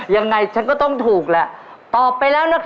มานใจ